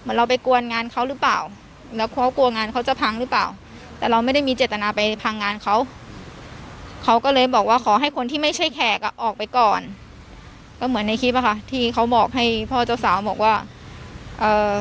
เหมือนเราไปกวนงานเขาหรือเปล่าแล้วเขากลัวงานเขาจะพังหรือเปล่าแต่เราไม่ได้มีเจตนาไปพังงานเขาเขาก็เลยบอกว่าขอให้คนที่ไม่ใช่แขกอ่ะออกไปก่อนก็เหมือนในคลิปอ่ะค่ะที่เขาบอกให้พ่อเจ้าสาวบอกว่าเอ่อ